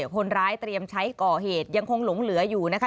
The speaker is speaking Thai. คนร้ายเตรียมใช้ก่อเหตุยังคงหลงเหลืออยู่นะคะ